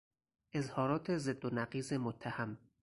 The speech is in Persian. اظهارات ضد و نقیض متهم